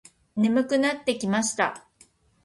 眠くなってきました。